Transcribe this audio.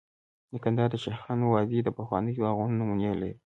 د کندهار د شیخانو وادي د پخوانیو باغونو نمونې لري